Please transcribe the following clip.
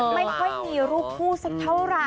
ไม่ค่อยมีรูปคู่สักเท่าไหร่